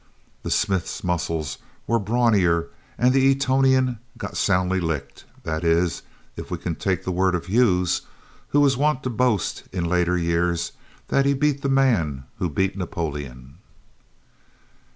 The smith's muscles were the brawnier, and the Etonian got soundly licked that is, if we can take the word of Hughes who was wont to boast in later years that he beat the man who beat Napoleon!